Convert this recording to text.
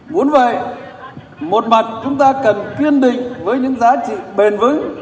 muốn vậy một mặt chúng ta cần kiên định với những giá trị bền vững